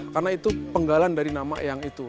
karena itu penggalan dari nama yang itu